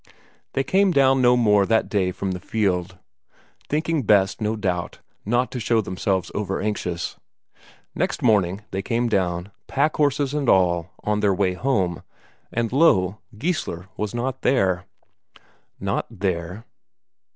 They came down no more that day from the fjeld, thinking best, no doubt, not to show themselves over anxious. Next morning they came down, packhorses and all, on their way home. And lo Geissler was not there. Not there?